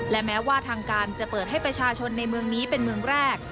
และแม้ว่าทางการจะเปิดให้ประชาชนในเมืองนี้เป็นเมืองแรก